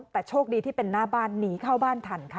แต่โชคดีที่เป็นหน้าบ้านหนีเข้าบ้านทันค่ะ